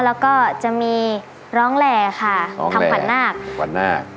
แล้วก็จะมีร้องแหล่ค่ะทำขวัญนาค